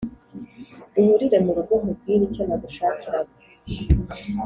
duhurire murugo nkubwire icyo nagushakiraga"